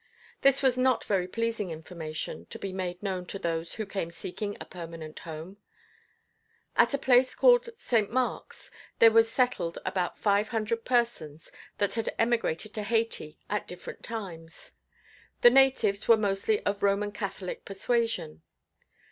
This was not very pleasing information to be made known to those who came seeking a permanent home. At a place called St. Marks there were settled about five hundred persons that had emigrated to Hayti at different times. The natives were mostly of Roman Catholic persuasion.